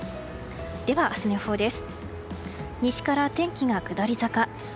では、明日の予報です。